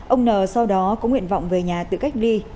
ông n sau đó có nguyện vọng về nhà tự cách ly